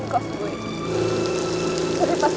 pokoknya gue udah berubah